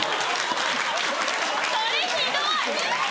それひどい！